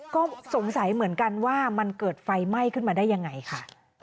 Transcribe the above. ก็สงสัยเหมือนกันว่ามันเกิดไฟไหม้ขึ้นมาได้ยังไงค่ะ